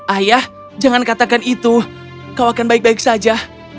ayah jangan katakan itu kau akan baik baik saja